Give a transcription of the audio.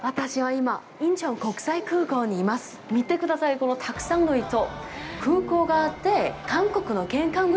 見てください、このたくさんの人！